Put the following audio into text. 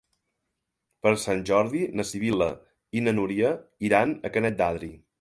Per Sant Jordi na Sibil·la i na Núria iran a Canet d'Adri.